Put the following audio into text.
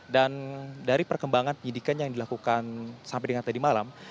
dan dari perkembangan penyidikan yang dilakukan sampai dengan tadi malam